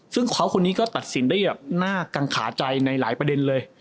ซึ่งเขาคนนี้ก็ตัดสินได้แบบน่ากังขาใจในหลายประเด็นเลย